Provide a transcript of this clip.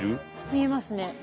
見えますね。